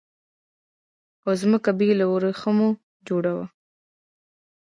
او ځمکه به يي له وريښمو جوړه وي